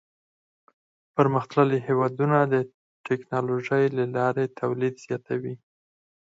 پرمختللي هېوادونه د ټکنالوژۍ له لارې تولید زیاتوي.